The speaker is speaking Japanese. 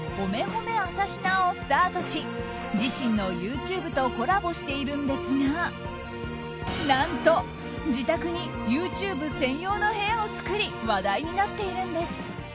褒め朝比奈をスタートし自身のＹｏｕＴｕｂｅとコラボしているんですが何と、自宅にＹｏｕＴｕｂｅ専用の部屋を作り話題になっているんです。